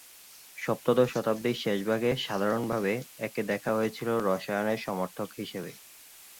সপ্তদশ শতাব্দীর শেষভাগে সাধারণভাবে একে দেখা হয়েছিল রসায়নের সমার্থক হিসেবে।